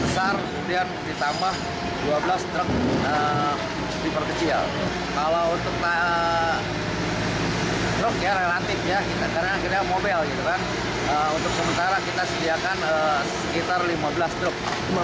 sediakan sekitar lima belas truk